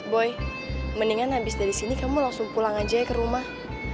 boi mendingan abis dari sini kamu langsung pulang aja ya ke rumah